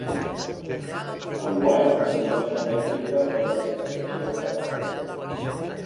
Enguany s'anomena "Mètrica i versificació en català".